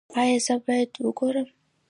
ایا زه باید وګورم؟